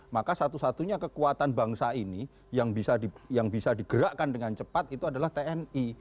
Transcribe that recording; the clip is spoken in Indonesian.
maka satu satunya kekuatan bangsa ini yang bisa digerakkan dengan cepat itu adalah tni